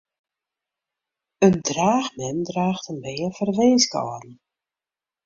In draachmem draacht in bern foar de winskâlden.